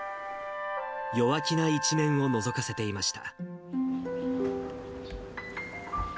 弱気な一面をのぞかせていました。